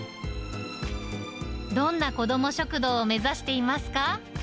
どんな子ども食堂を目指していますか？